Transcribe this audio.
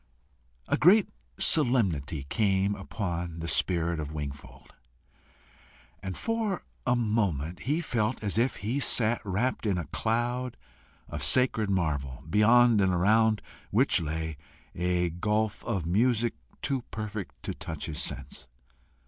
A great solemnity came upon the spirit of Wingfold, and for a moment he felt as if he sat wrapt in a cloud of sacred marvel, beyond and around which lay a gulf of music too perfect to touch his sense.